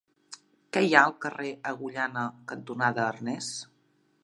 Què hi ha al carrer Agullana cantonada Arnes?